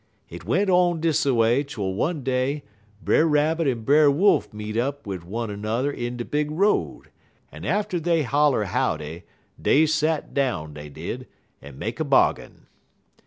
Hit went on dis a way twel one day Brer Rabbit en Brer Wolf meet up wid one er n'er in de big road, en atter dey holler howdy dey sat down, dey did, en make a bargain.